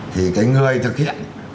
thì cái người thực hiện